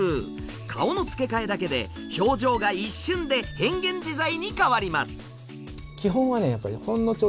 顔の付け替えだけで表情が一瞬で変幻自在に変わります。